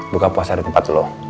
buka puasa di tempat loh